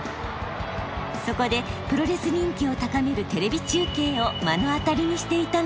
そこでプロレス人気を高めるテレビ中継を目の当たりにしていたのです。